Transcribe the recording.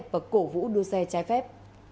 và cổ vũ đua xe trái phép